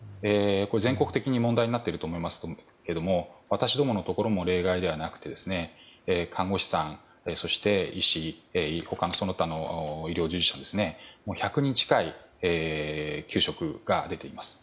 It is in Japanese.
全国的に問題になっていると思いますが私どものところも例外ではなくて看護師さん、医師、その他の医療従事者ですね、１００人近い休職が出ています。